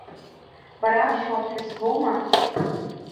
Бара аԥшәмаԥҳәыс боума?